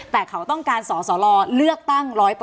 แต่เขาต้องการสสลเลือกตั้ง๑๐๐